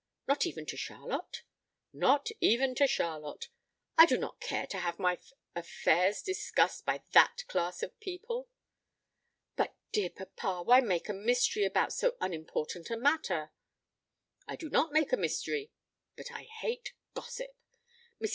"Not even to Charlotte?" "Not even to Charlotte. I do not care to have my affairs discussed by that class of people." "But, dear papa, why make a mystery about so unimportant a matter. "I do not make a mystery; but I hate gossip. Mrs.